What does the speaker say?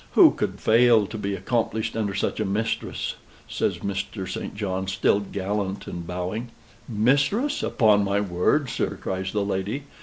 "Who could fail to be accomplished under such a mistress?" says Mr. St. John, still gallant and bowing. "Mistress! upon my word, sir!" cries the lady.